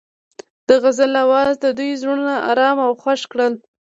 د غزل اواز د دوی زړونه ارامه او خوښ کړل.